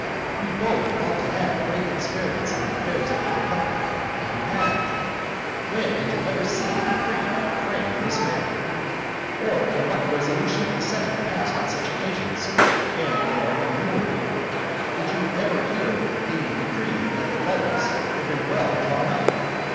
You both ought to have great experience in the affairs of the republic, and you have. When did you ever see a decree framed in this manner? or in what resolution of the senate passed on such occasions, (and they are innumerable,) did you ever hear of its being decreed that the letters had been well drawn up?